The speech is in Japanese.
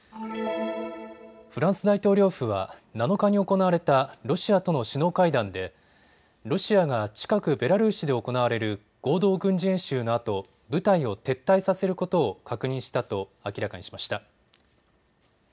フランス大統領府は７日に行われたロシアとの首脳会談でロシアが近くベラルーシで行われる合同軍事演習のあと部隊を撤退させることを確認したと明らかにしました。